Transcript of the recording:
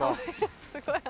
すごい雨。